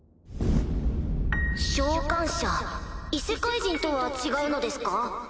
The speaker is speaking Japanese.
異世界人とは違うのですか？